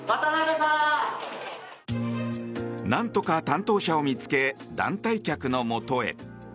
なんとか担当者を見つけ団体客のもとへ。